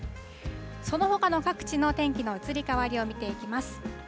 そのほかの各地の天気の移り変わりを見ていきます。